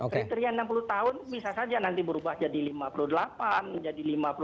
kriteria enam puluh tahun bisa saja nanti berubah jadi lima puluh delapan menjadi lima puluh delapan